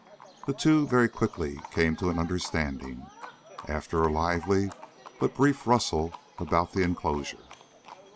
The two very quickly came to an understanding, after a lively but brief rustle about the enclosure.